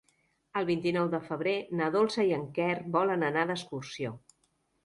El vint-i-nou de febrer na Dolça i en Quer volen anar d'excursió.